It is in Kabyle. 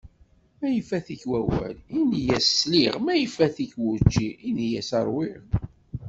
Ma ifat-ik wawal, ini-as sliɣ. Ma ifat-ik wučči, ini-as ṛwiɣ.